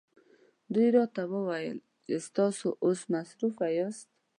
دوی راته وویل چې تاسو اوس مصروفه یاست.